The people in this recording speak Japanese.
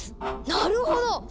なるほど！